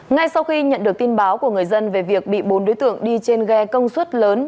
ngay sau khi nhận được tin báo của người dân về việc bị bốn đối tượng đi trên ghe công suất lớn